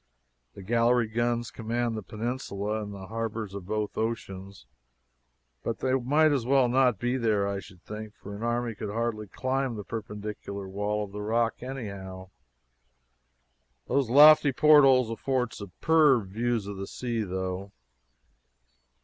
The gallery guns command the peninsula and the harbors of both oceans, but they might as well not be there, I should think, for an army could hardly climb the perpendicular wall of the rock anyhow. Those lofty portholes afford superb views of the sea, though.